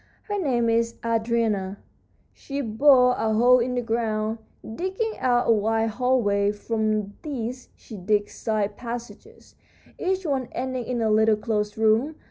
Her name is Andrena. She bores a hole in the ground, digging out a wide hallway. From this she digs side passages, each one ending in a little closed room.